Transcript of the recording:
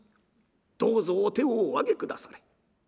どうぞお手をお上げくだされ。